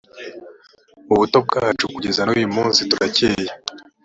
mu buto bwacu kugeza n uyumunsi turakeye